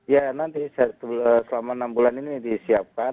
ya nanti selama enam bulan ini disiapkan